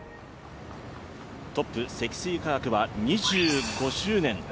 トップ、積水化学は２５周年。